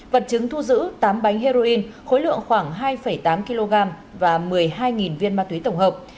vật chứng thu giữ tám bánh heroin khối lượng khoảng hai tám kg và một mươi hai viên ma túy tổng hợp